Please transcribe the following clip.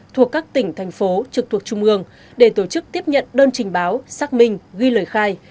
thuộc các tỉnh thành phố trực thuộc trung ương để tổ chức tiếp nhận đơn trình báo xác minh ghi lời khai